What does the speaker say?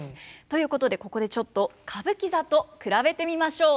ということでここでちょっと歌舞伎座と比べてみましょう。